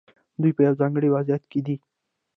دوی په یو ځانګړي وضعیت کې دي.